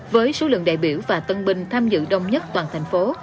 với số lượng đại biểu và tân binh tham dự đông nhất toàn thành phố